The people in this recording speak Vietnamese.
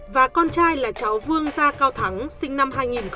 và con trai là cháu vương gia cao thắng sinh năm hai nghìn tám